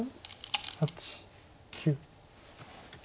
８９。